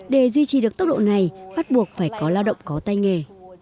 để duy trì được tốc độ này phát buộc phải có lao động có tay nghề